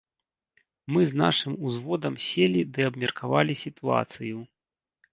Мы з нашым узводам селі ды абмеркавалі сітуацыю.